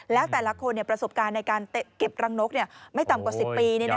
แล้วแต่ละคนประสบการณ์ในการเก็บรังนกไม่ต่ำกว่า๑๐ปี